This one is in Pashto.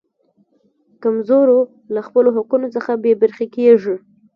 کمزورو له خپلو حقونو څخه بې برخې کیږي.